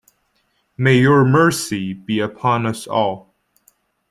May Your mercy be upon us all.